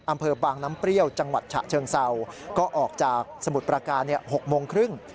อำเภอบางน้ำเปรี้ยวจังหวัดฉะเชิงเศร้าก็ออกจากสมุทรประการ๖โมงครึ่ง